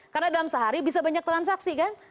karena dalam sehari bisa banyak transaksi kan